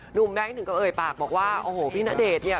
หนุ่มแบงค์ถึงเกลือเอยปากบอกว่าพี่ณเดชน์เนี่ย